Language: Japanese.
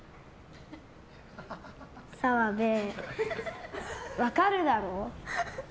澤部、分かるだろ？